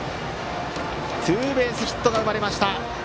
ツーベースヒットが生まれました。